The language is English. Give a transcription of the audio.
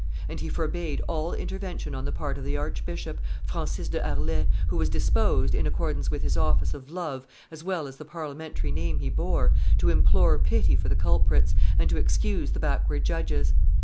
And he forbade all intervention on the part of the archbishop, Francis de Harlay, who was disposed, in accordance with his office of love as well as the parliamentary name he bore, to implore pity for the culprits, and to excuse the backward judges.